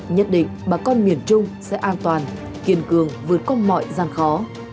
nhất định bà con miền trung sẽ an toàn kiên cường vượt qua mọi gian khó